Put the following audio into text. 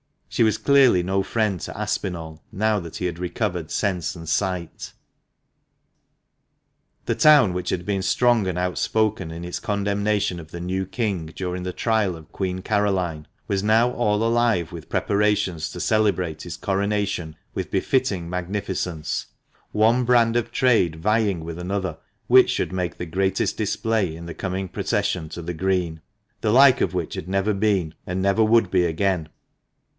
She was clearly no friend to Aspinall now that he had recovered sense and sight. 294. THE MANCHESTER MAN. The town, which had been strong and outspoken in its condemnation of the new king during the trial of Queen Caroline, was now all alive with preparations to celebrate his coronation with befitting magnificence, one branch of trade vicing with another which should make the greatest display in the coming procession to the Green, the like of which never had been, and never would be again.